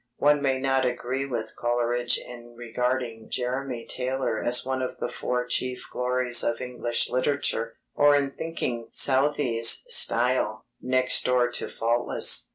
One may not agree with Coleridge in regarding Jeremy Taylor as one of the four chief glories of English literature, or in thinking Southey's style "next door to faultless."